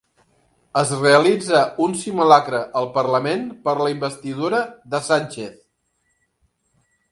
Es realitza un simulacre al parlament per la investidura de Sánchez